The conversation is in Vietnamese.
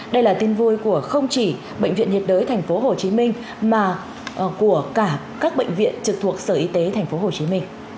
đây là tin vui của không chỉ bệnh viện nhiệt đới tp hcm mà của cả các bệnh viện trực thuộc sở y tế tp hcm